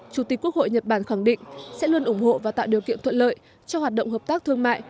chủ tịch quốc hội nhật bản khẳng định sẽ luôn ủng hộ và tạo điều kiện thuận lợi cho hoạt động hợp tác thương mại